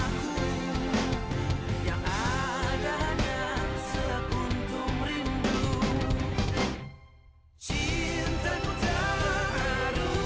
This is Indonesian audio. nanti gua jemput lu